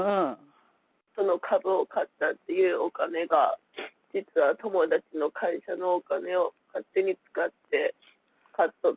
その株を買ったっていうお金が実は友達の会社のお金を勝手に誰が？